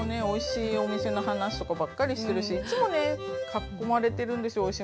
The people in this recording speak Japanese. おいしいお店の話とかばっかりしてるしいつもね囲まれてるんですよ